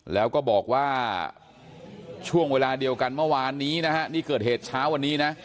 แล้วก็บอกว่าช่วงเวลาเดียวกันเมื่อวานนี้นะฮะนี่เกิดเหตุเช้าวันนี้นะ